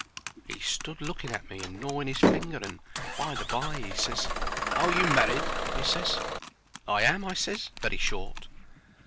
He stood looking at me and gnawing 'is finger, and by and by he ses, "Are you married?" he ses. "I am," I ses, very short.